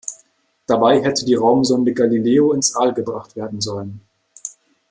Dabei hätte die Raumsonde Galileo ins All gebracht werden sollen.